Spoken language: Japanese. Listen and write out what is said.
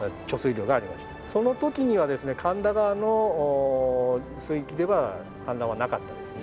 その時にはですね神田川の水域では氾濫はなかったですね。